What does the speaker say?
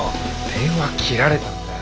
電話切られたんだよ。